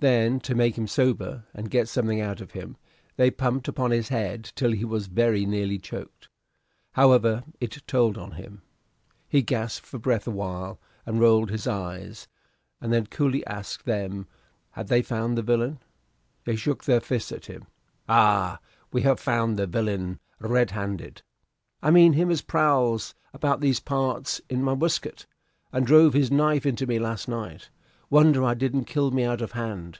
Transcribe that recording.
Then, to make him sober and get something out of him, they pumped upon his head till he was very nearly choked. However, it told on him. He gasped for breath awhile, and rolled his eyes, and then coolly asked them had they found the villain. They shook their fists at him. "Ay, we have found the villain, red handed." "I mean him as prowls about these parts in my waistcoat, and drove his knife into me last night wonder a didn't kill me out of hand.